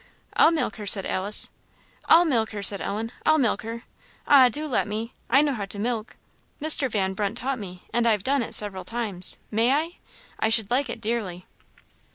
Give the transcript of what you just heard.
"I'll milk her," said Alice. "I'll milk her!" said Ellen; "I'll milk her! Ah, do let me! I know how to milk; Mr. Van Brunt taught me, and I have done it several times. May I? I should like it dearly."